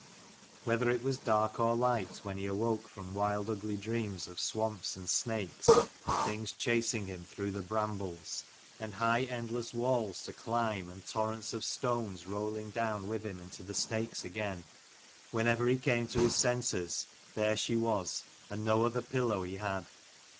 Whether it was dark or light when he awoke from wild ugly dreams of swamps and snakes, and things chasing him through the brambles, and high endless walls to climb, and torrents of stones rolling down with him into the snakes again : whenever he came to his senses there she was, and no other pillow he had.